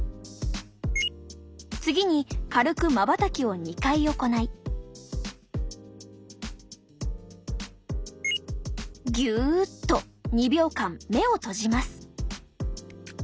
次に軽くまばたきを２回行いギュッと２秒間目を閉じます。